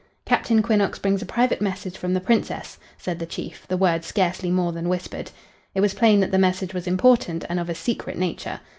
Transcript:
"Captain Quinnox brings a private message from the Princess," said the Chief, the words scarcely more than whispered. It was plain that the message was important and of a secret nature.